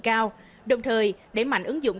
cao đồng thời để mạnh ứng dụng